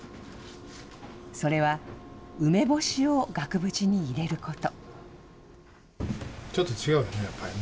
それは梅干しを額縁に入れること。